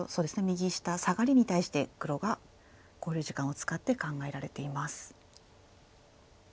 右下サガリに対して黒が考慮時間を使って考えられています。